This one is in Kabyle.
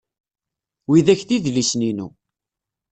Widak d idlisen-inu.